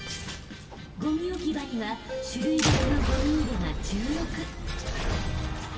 ゴミ置き場には種類別のゴミ入れが１６。